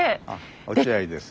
落合です。